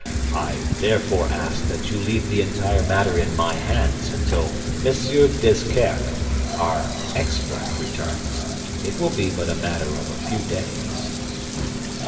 I therefore ask that you leave the entire matter in my hands until Monsieur Desquerc, our expert returns. It will be but a matter of a few days."